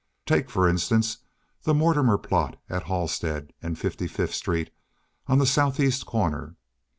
Take, for instance, the Mortimer plot, at Halstead and Fifty fifth streets, on the south east corner.